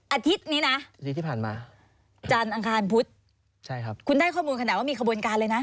อาทิตย์นี้นะจานอังการพุทธคุณได้ข้อมูลขนาดว่ามีขบวนการเลยนะ